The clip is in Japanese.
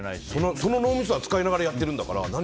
その脳みそは使いながらやってるんだから。